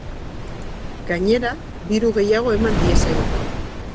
Gainera, diru gehiago eman diezaioten.